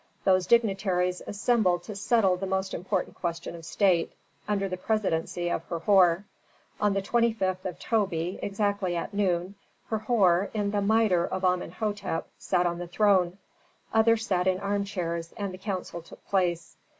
those dignitaries assembled to settle the most important question of state, under the presidency of Herhor. On the 25th of Tobi, exactly at noon, Herhor, in the mitre of Amenhôtep, sat on the throne; others sat in armchairs, and the council took place.